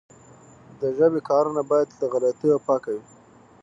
د ژبي کارونه باید له غلطیو پاکه وي.